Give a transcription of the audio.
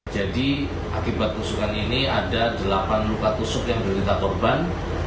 jadi akibat tusukan ini ada delapan luka tusuk yang berita korban